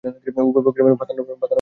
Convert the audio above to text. উভয় পক্ষের মধ্যে বাদানুবাদ চলতে থাকে।